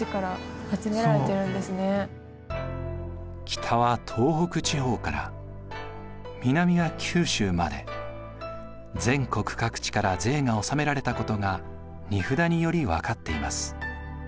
北は東北地方から南は九州まで全国各地から税が納められたことが荷札により分かっています。